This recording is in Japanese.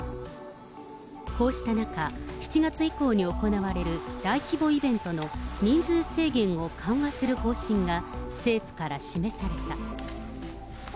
こうした中、７月以降に行われる大規模イベントの人数制限を緩和する方針が、政府から示された。